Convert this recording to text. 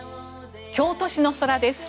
京都市の空です。